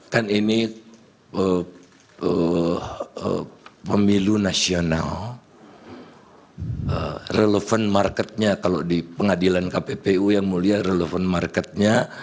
kan ini pemilu nasional relevan marketnya kalau di pengadilan kppu yang mulia relevan marketnya